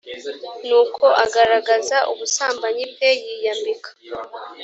nuko agaragaza ubusambanyi bwe yiyambika